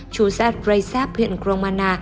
chú zad reysab huyện gromana